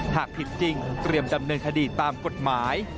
หากผิดจริงเตรียมดำเนินคดีตามกฎหมาย